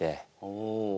おお。